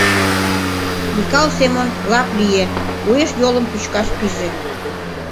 Микал Семон лап лие, уэш йолым пӱчкаш пиже.